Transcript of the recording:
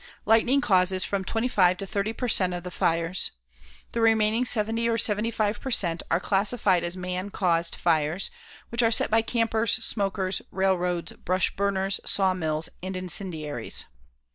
Lightning causes from 25 to 30 per cent. of the fires. The remaining 70 or 75 per cent. are classed as "man caused fires," which are set by campers, smokers, railroads, brush burners, sawmills and incendiaries.